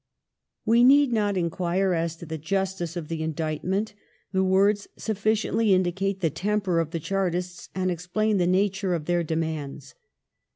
We need not inquire as to the justice of the indictment ; the words sufficiently indicate the temper of the Chartists, and explain the nature of their demands.